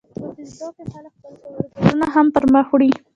په فېسبوک کې خلک خپل کاروبارونه هم پرمخ وړي